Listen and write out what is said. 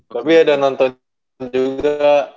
tapi ada nonton juga